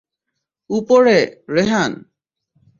উপরে, রেহান।